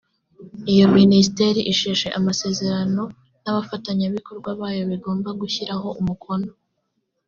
iyo ministere isheshe amasezerano nabafatanyabikorwa boyo bigomba gushyiraho umukono